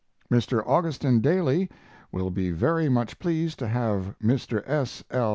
Mr. Augustin Daly will be very much pleased to have Mr. S. L.